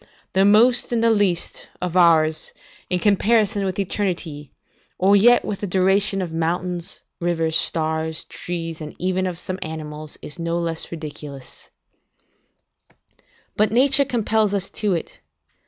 The most and the least, of ours, in comparison with eternity, or yet with the duration of mountains, rivers, stars, trees, and even of some animals, is no less ridiculous. [ Seneca, Consol. ad Marciam, c. 20.] But nature compels us to it.